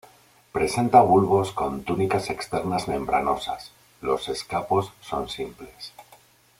Presenta bulbos con túnicas externas membranosas; los escapos son simples.